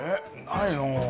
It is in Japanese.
ないのう。